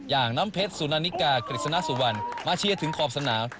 อย่างน้ำเพชรสุนานิกากฤษณสุวรรณมาเชียร์ถึงขอบสนาม